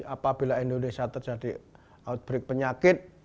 apabila indonesia terjadi outbreak penyakit